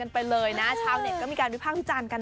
กันไปเลยนะชาวเน็ตก็มีการวิภาคอุจรรย์กัน